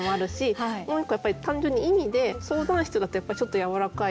もう一個やっぱり単純に意味で「相談室」だとやっぱりちょっとやわらかい。